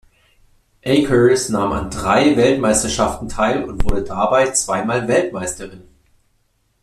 Akers nahm an drei Weltmeisterschaften teil und wurde dabei zweimal Weltmeisterin.